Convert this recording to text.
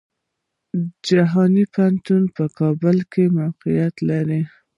جهان پوهنتون په کابل کې موقيعت لري.